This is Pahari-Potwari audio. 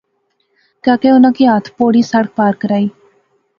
کاکے اُناں کی ہتھ پوڑی سڑک پار کرائی